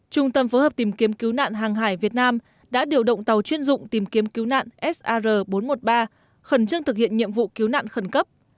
trung tâm phối hợp tìm kiếm cứu nạn hàng hải việt nam đã điều động tàu chuyên dụng tìm kiếm cứu nạn sr bốn trăm một mươi ba khẩn trương thực hiện nhiệm vụ cứu nạn khẩn cấp